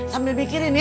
sambil mikirin ya